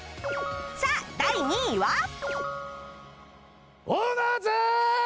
さあ第２位は？